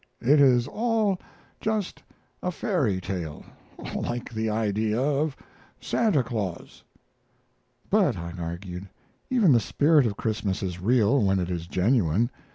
It is all just a fairy tale, like the idea of Santa Claus." "But," I argued, "even the spirit of Christmas is real when it is genuine.